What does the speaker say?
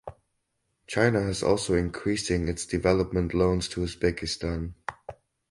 China has also increasing its development loans to Uzbekistan.